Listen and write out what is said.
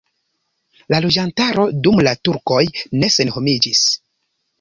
La loĝantaro dum la turkoj ne senhomiĝis.